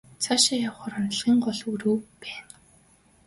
Цаашаа явахаар унтлагын гол өрөө байна.